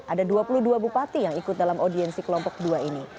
ada dua puluh dua bupati yang ikut dalam audiensi kelompok dua ini